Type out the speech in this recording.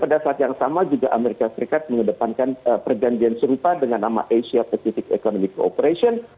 pada saat yang sama juga amerika serikat mengedepankan perjanjian serupa dengan nama asia pacific economic cooperation